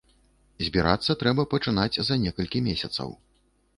Збірацца трэба пачынаць за некалькі месяцаў.